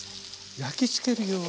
焼きつけるように。